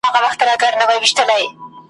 منظور پښتین د پښتنو د دې زرکلن ,